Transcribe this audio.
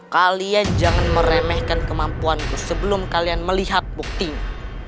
kalian jangan meremehkan kemampuanku sebelum kalian melihat buktinya